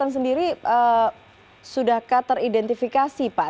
sendiri sudahkah teridentifikasi pak